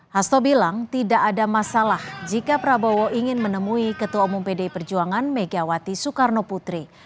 hasto bilang tidak ada masalah jika prabowo ingin menemui ketua umum pdi perjuangan megawati soekarno putri